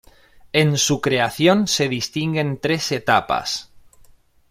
En su creación se distinguen tres etapas.